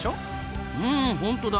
うん本当だ！